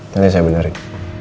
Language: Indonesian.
nanti saya benerin